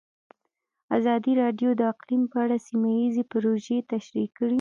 ازادي راډیو د اقلیم په اړه سیمه ییزې پروژې تشریح کړې.